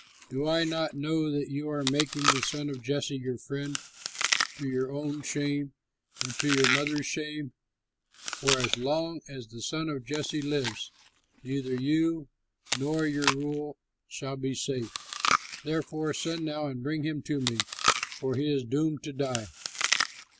Do I not know that you are making the son of Jesse your friend to your own shame and to your mother's shame? For as long as the son of Jesse lives, neither you nor your rule will be safe. Therefore, send now and bring him to me, for he is doomed to die."